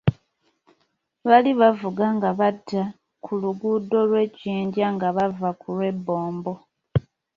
Baali bavuga nga badda ku luguudo lw'e Jjinja nga bava ku lw'e Bombo.